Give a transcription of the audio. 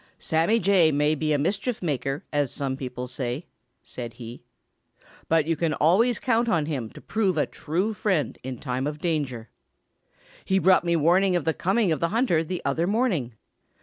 "Sammy Jay may be a mischief maker, as some people say," said he, "but you can always count on him to prove a true friend in time of danger. He brought me warning of the coming of the hunter the other morning.